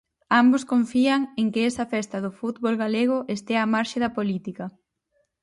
Ambos confían en que esa festa do fútbol galego estea á marxe da política.